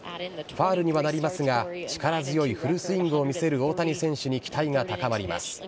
ファウルにはなりますが、力強いフルスイングを見せる大谷選手に期待が高まります。